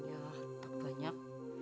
ya tak banyak